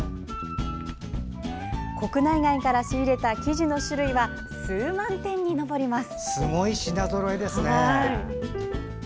国内外から仕入れた生地の種類は数万点に上ります。